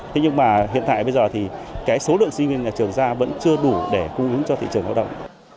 thế nhưng mà hiện tại bây giờ thì cái số lượng sinh viên nhà trường ra vẫn chưa đủ để cung ứng cho thị trường lao động